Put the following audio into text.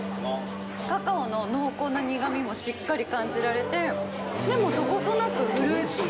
カカオの濃厚な苦みもしっかり感じられて、でも、どことなくフルーティー。